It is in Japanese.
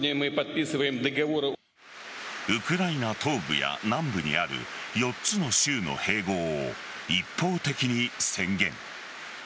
ウクライナ東部や南部にある４つの州の併合を一方的に宣言。